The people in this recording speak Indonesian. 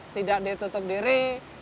tidak ditutup diri